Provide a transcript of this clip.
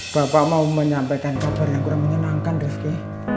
bapak mau menyampaikan kabar yang kurang menyenangkan rifki